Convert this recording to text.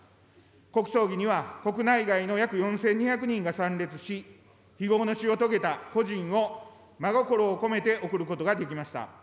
国葬儀には国内外の約４２００人が参列し、非業の死を遂げた故人を真心を込めて送ることができました。